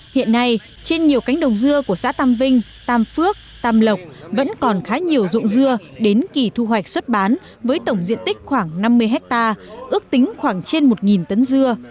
hiện nay trên nhiều cánh đồng dưa của xã tam vinh tam phước tam lộc vẫn còn khá nhiều dụng dưa đến kỳ thu hoạch xuất bán với tổng diện tích khoảng năm mươi hectare ước tính khoảng trên một tấn dưa